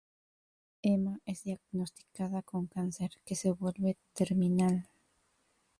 Emma es diagnosticada con cáncer, que se vuelve terminal.